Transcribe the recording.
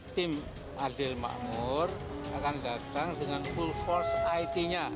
tim adil makmur akan datang dengan full force it nya